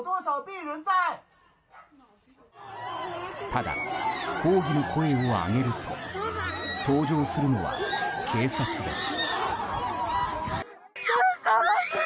ただ、抗議の声を上げると登場するのは警察です。